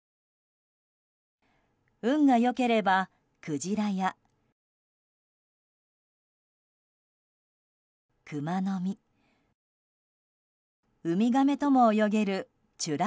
運が良ければクジラやクマノミウミガメとも泳げる美ら